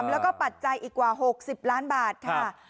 แล้วก็ปัจจัยอีกกว่า๖๐ล้านบาทค่ะ